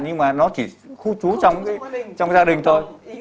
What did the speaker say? nhưng mà nó chỉ khu trú trong gia đình thôi